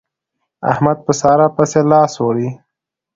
احمد په سارا پسې لاس وړي.